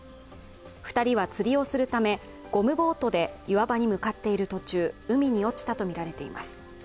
２人は釣りをするためゴムボートで岩場に向かっている途中、海に落ちたとみられています。